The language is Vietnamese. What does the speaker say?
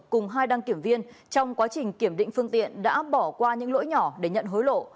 cùng hai đăng kiểm viên trong quá trình kiểm định phương tiện đã bỏ qua những lỗi nhỏ để nhận hối lộ